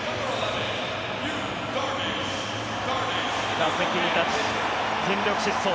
打席に立ち、全力疾走。